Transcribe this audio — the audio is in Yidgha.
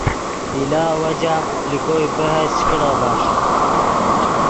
بلا وجہ لے کوئے بحث چے کڑا بݰ